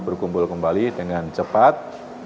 berkumpul kembali dengan cepat